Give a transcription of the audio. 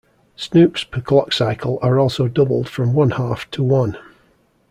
Snoops per clock cycle are also doubled from one half to one.